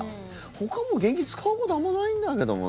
ほかはもう、現金使うことあんまないんだけども